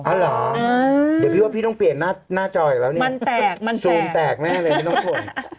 อ๋อเหรอเดี๋ยวพี่ว่าพี่ต้องเปลี่ยนหน้าจอยกันแล้วเนี่ยสูมแตกแน่เลยไม่ต้องข่นมันแตกมันแตก